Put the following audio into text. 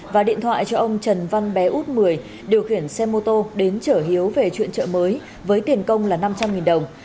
và điện thoại cho ông trần văn bé út mười điều khiển xe mô tô đến chở hiếu về chuyện chợ mới với tiền công là năm trăm linh đồng